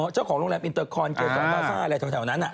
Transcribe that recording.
อ๋อเจ้าของโรงแรมอินเตอร์คอนเกษรภาษาอะไรแถวนั้น